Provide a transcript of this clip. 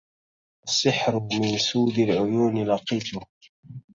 السحر من سود العيون لقيته